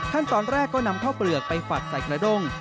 ขั้นตอนแรกก็นำข้าวเปลือกไปฝัดใส่กระด้ง